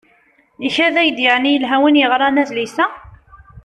Ikad-ak-d yeεni yelha win yeɣran adlis-a?